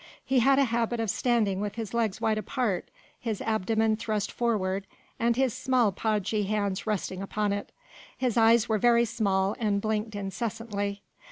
He had a habit of standing with legs wide apart, his abdomen thrust forward and his small podgy hands resting upon it. His eyes were very small and blinked incessantly.